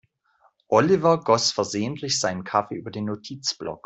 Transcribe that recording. Oliver goss versehentlich seinen Kaffee über den Notizblock.